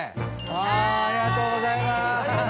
ありがとうございます。